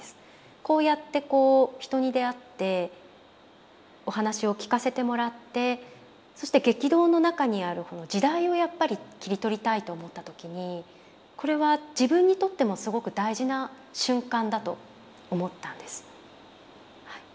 こうやってこう人に出会ってお話を聞かせてもらってそして激動の中にある時代をやっぱり切り取りたいと思った時にこれは自分にとってもすごく大事な瞬間だと思ったんです。